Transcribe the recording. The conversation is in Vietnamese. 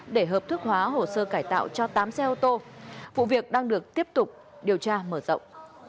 để hợp thức hóa hồ sơ cải tạo cho tám xe ô tô vụ việc đang được tiếp tục điều tra mở rộng